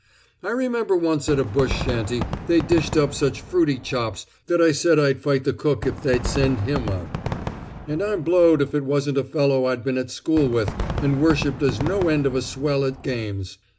I remember once at a bush shanty they dished up such fruity chops that I said I'd fight the cook if they'd send him up; and I'm blowed if it wasn't a fellow I'd been at school with and worshiped as no end of a swell at games!